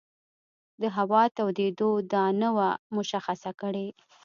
د هوا تودېدو دا نه وه مشخصه کړې.